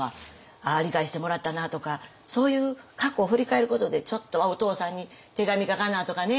ああ理解してもらったなとかそういう過去を振り返ることでちょっとお父さんに手紙書かなとかね。